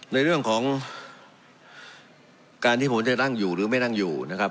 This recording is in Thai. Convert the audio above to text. ในเรื่องของการที่ผมจะนั่งอยู่หรือไม่นั่งอยู่นะครับ